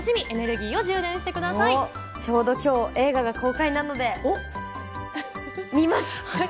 ちょうど今日、映画が公開なので、見ます。